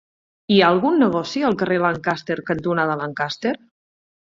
Hi ha algun negoci al carrer Lancaster cantonada Lancaster?